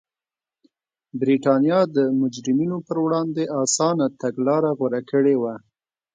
برېټانیا د مجرمینو پر وړاندې اسانه تګلاره غوره کړې وه.